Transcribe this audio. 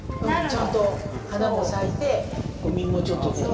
ちゃんと花も咲いて実もちょっと。